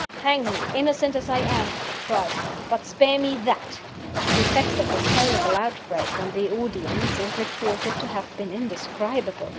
"Hang me, innocent as I am!" he cried, "but spare me that!" The effect of this terrible outbreak on the audience is reported to have been indescribable.